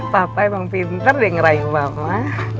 papa emang pinter deh ngerain mama